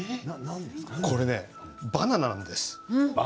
これねバナナなんです。